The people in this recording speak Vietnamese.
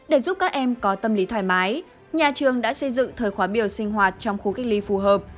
để giúp các em có tâm lý thoải mái nhà trường đã xây dựng thời khóa biểu sinh hoạt trong khu cách ly phù hợp